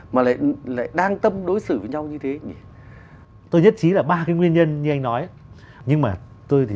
mà lại đang tâm đối xử với nhau như thế tôi nhất trí là ba cái nguyên nhân như anh nói nhưng mà tôi thì